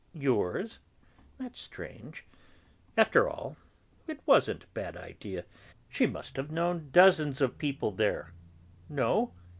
Yours? That's strange. After all, it wasn't a bad idea; she must have known dozens of people there? No?